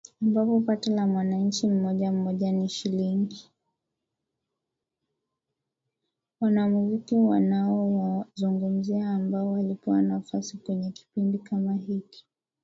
Wanamuziki ninaowazungumzia ambao walipewa nafasi kwenye kipindi kama hiki